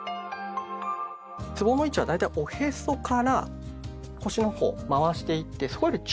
つぼの位置は大体おへそから腰のほう回していってそこよりちょっと上辺り。